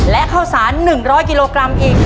และเข้าสาร๑๐๐กิโลกรัมอีก๑ตู้